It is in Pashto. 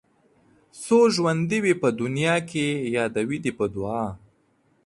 څو ژوندي وي په دنيا کې يادوي دې په دعا